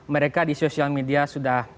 mereka di sosial media sudah